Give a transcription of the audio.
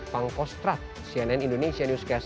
pangkos trap cnn indonesia newscast